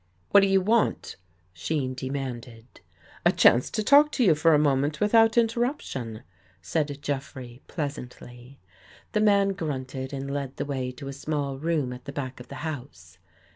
" What do you want? " Shean demanded. " A chance to talk to you for a moment without interruption," said Jeffrey pleasantly. The man grunted and led the way to a small room at the back of the house.